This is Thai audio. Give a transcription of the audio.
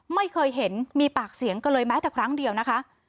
ไม่เคยเห็นมีปากเสียงกันเลยแม้แต่ครั้งเดียวนะคะ